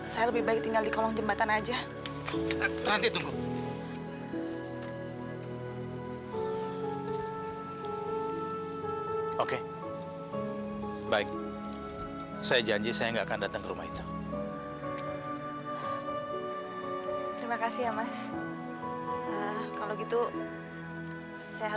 sampai jumpa di video selanjutnya